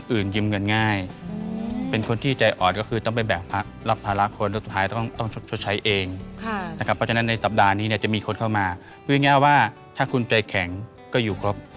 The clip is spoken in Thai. อือเป็นคนที่ใจอดก็คือต้องไปแบบภัดรับภาระคนสักท้ายต้องต้องชดใช้เองค่ะนะครับเพราะฉะนั้นในสัปดาห์นี้เนี่ยจะมีคนเข้ามาคือยี่ว่าถ้าคุณใจแข็งก็อยู่ครบ